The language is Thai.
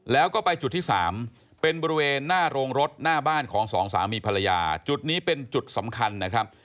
แล้วก็ไปจุดที่๓เป็นบริเวณหน้าโรงรถหน้าบ้านของสองสามีภรรยาจุดนี้เป็นจุดสำคัญนะครับ